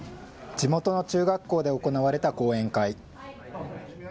地元の中学校で行われた講演会。